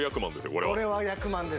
これは役満です。